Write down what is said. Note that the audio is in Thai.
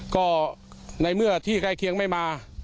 ก็ในเมื่อที่ใกล้เคียงไม่มา